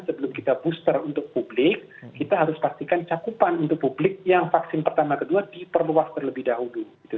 sebelum kita booster untuk publik kita harus pastikan cakupan untuk publik yang vaksin pertama kedua diperluas terlebih dahulu